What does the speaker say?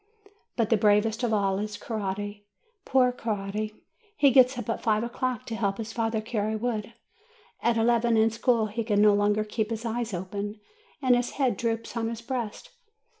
But the bravest of all is Coretti; poor Coretti, who gets up at five o'clock, to help his father carry wood! At eleven, in school, he can no longer keep his eyes open, and his head droops on his breast.